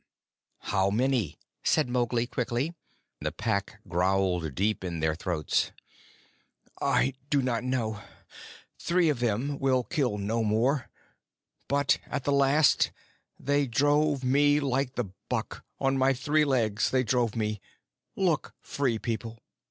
"How many?" said Mowgli quickly; the Pack growled deep in their throats. "I do not know. Three of them will kill no more, but at the last they drove me like the buck; on my three legs they drove me. Look, Free People!"